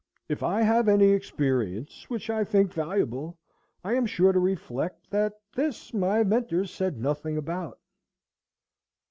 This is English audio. If I have any experience which I think valuable, I am sure to reflect that this my Mentors said nothing about.